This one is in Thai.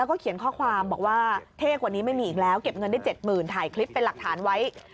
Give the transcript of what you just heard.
แล้วก็เขียนข้อความบอกว่าเท่กว่านี้ไม่มีอีกแล้วเก็บเงินได้๗๐๐ถ่ายคลิปเป็นหลักฐานไว้